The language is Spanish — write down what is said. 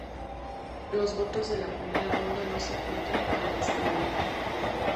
Los votos de la primera ronda no se cuentan para la segunda.